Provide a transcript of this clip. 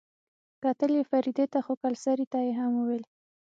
کتل يې فريدې ته خو کلسري ته يې هم وويل.